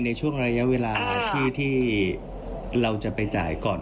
ในช่วงระยะเวลาที่เราจะไปจ่ายก่อน